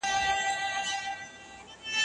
دنیا نیمګړې نیمه خوا ده